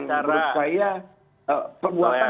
menurut saya perbuatan